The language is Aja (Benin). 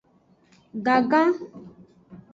Gangan.